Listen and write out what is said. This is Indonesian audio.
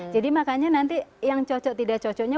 jadi makanya nanti yang cocok tidak cocoknya